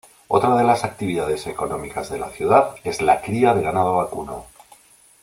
Otra de las actividades económicas de la ciudad es la cría de ganado vacuno.